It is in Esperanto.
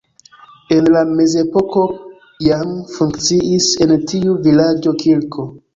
En la mezepoko jam funkciis en tiu vilaĝo kirko.